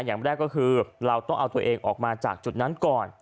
อย่างแรกก็คือเราต้องเอาตัวเองออกมาจากจุดนั้นก่อน